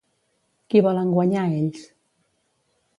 Qui volen guanyar ells?